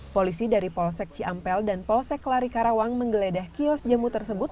polisi dari polsek ciampel dan polsek lari karawang menggeledah kios jamu tersebut